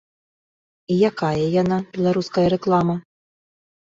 І якая яна, беларуская рэклама?